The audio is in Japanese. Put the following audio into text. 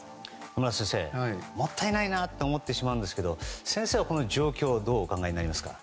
野村先生もったいないなと思ってしまうんですが先生は、この状況どうお考えになりますか？